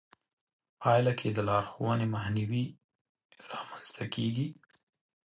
پايله کې د لارښوونې مخنيوی رامنځته کېږي.